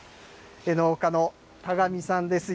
農家の田上さんです。